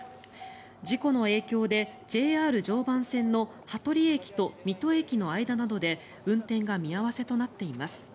事故の影響でＪＲ常磐線の羽鳥駅と水戸駅の間などで運転が見合わせとなっています。